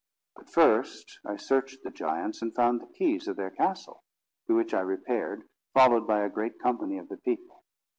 But first I searched the giants, and found the keys of their castle, to which I repaired, followed by a great company of the people.